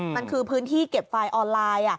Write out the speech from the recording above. มันคือพื้นที่เก็บไฟล์ออนไลน์